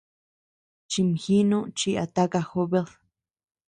Chimjinu chi a taka jobed.